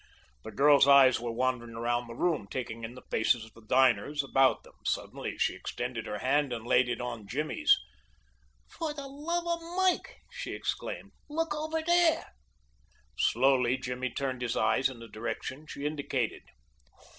The girl's eyes were wandering around the room, taking in the faces of the diners about them. Suddenly she extended her hand and laid it on Jimmy's. "For the love of Mike," she exclaimed. "Look over there." Slowly Jimmy turned his eyes in the direction she indicated.